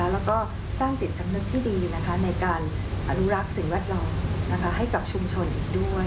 แล้วก็สร้างจิตสำนึกที่ดีในการอนุรักษ์สิ่งแวดล้อมให้กับชุมชนอีกด้วย